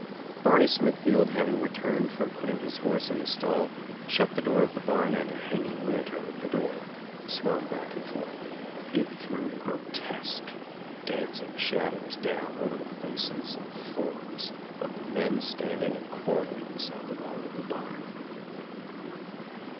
Barney Smithfield having returned from putting his horse in the stall shut the door of the barn and 1 hang ing lantern over the door swung back and forth. It threw grotesque dancing shadows down over the faces and forms of the men standing and quarreling beside the wall of the barn.